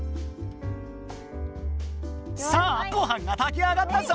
さあごはんが炊き上がったぞ！